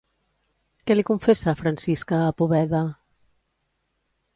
Què li confessa, Francisca, a Poveda?